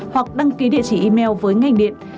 hoặc đăng ký địa chỉ email với ngành điện